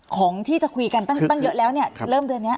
ของที่จะคุยกันตั้งตั้งเยอะแล้วเนี้ยครับเริ่มเดือนเนี้ย